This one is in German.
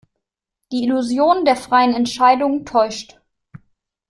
Die Illusion der freien Entscheidung täuscht.